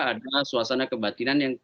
ada suasana kebatinan yang